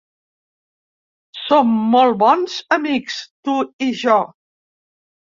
Som molt bons amics, tu i jo.